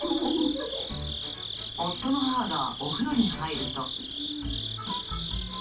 夫の母がお風呂に入ると。